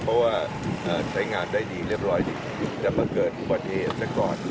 เพราะว่าใช้งานได้ดีเรียบร้อยจะมาเกิดประเทศก่อน